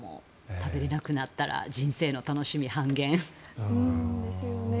食べられなくなったら人生の楽しみ半減。